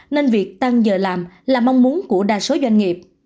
nên việc tăng giờ làm là mong muốn của đa số doanh nghiệp